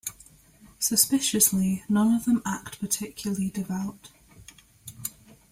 Suspiciously, none of them act particularly devout.